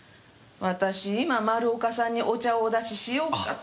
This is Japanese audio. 私今丸岡さんにお茶をお出ししようかと。